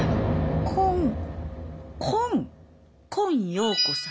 今陽子さん